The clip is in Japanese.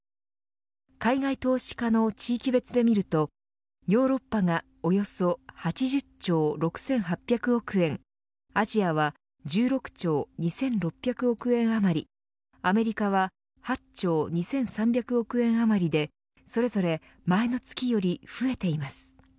海外投資家の地域別でみるとヨーロッパがおよそ８０兆６８００億円アジアは１６兆２６００億円余りアメリカは８兆２３００億円余りでそれぞれ前の月より増えています。